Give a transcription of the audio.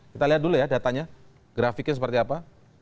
kita lihat dulu ya datanya grafiknya seperti apa